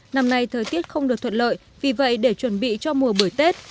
năm nay thời tiết không được thuận lợi vì vậy để chuẩn bị cho mùa bưởi tết